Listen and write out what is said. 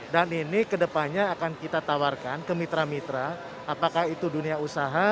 dan ini kedepannya akan kita tawarkan ke mitra mitra apakah itu dunia usaha